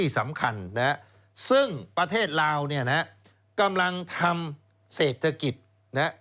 สำคัญนะฮะซึ่งประเทศลาวเนี่ยนะฮะกำลังทำเศรษฐกิจนะฮะ